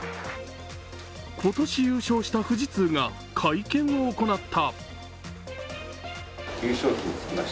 今年優勝した富士通が会見を行った。